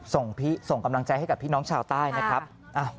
ส่งกำลังใจให้กับพี่น้องชาวใต้นะครับ